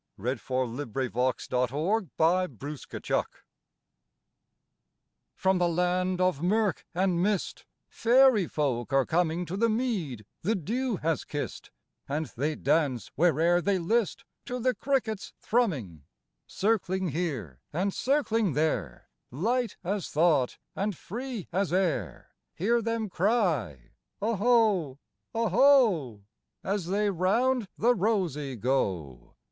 1861–1889 A Fairy Glee By Eugene Field (1850–1895) FROM the land of murk and mistFairy folk are comingTo the mead the dew has kissed, And they dance where'er they listTo the cricket's thrumming. Circling here and circling there, Light as thought and free as air, Hear them cry, "Oho, oho,"As they round the rosey go.